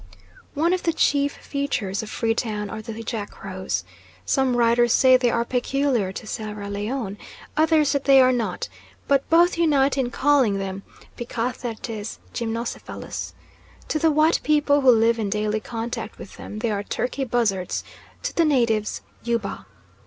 One of the chief features of Free Town are the jack crows. Some writers say they are peculiar to Sierra Leone, others that they are not, but both unite in calling them Picathartes gymnocephalus. To the white people who live in daily contact with them they are turkey buzzards; to the natives, Yubu.